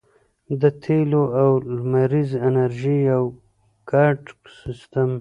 د تیلو او لمریزې انرژۍ یو ګډ سیستم